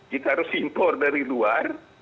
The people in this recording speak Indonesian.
kita harus impor dari luar